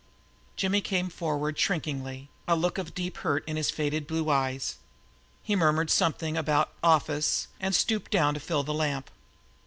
Jimmy came forward shrinkingly, a look of deep hurt in his faded blue eyes. He murmured something about "office" and stooped down to fill the lamp.